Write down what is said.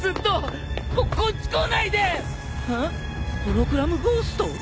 ホログラムゴースト？